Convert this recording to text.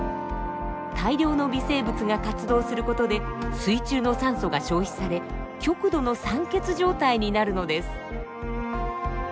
大量の微生物が活動する事で水中の酸素が消費され極度の酸欠状態になるのです。